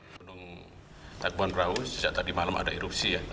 gunung tanggupan parahu sejak tadi malam ada erupsi